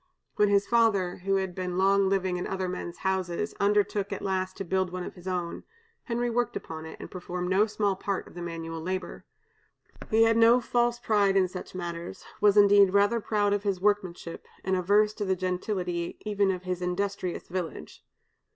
When his father, who had been long living in other men's houses, undertook, at last, to build one of his own, Henry worked upon it, and performed no small part of the manual labor. He had no false pride in such matters, was, indeed, rather proud of his workmanship, and averse to the gentility even of his industrious village.